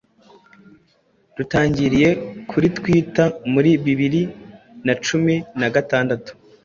rutangiriye kuri Twitter mu bibiri na cumi na gatandatu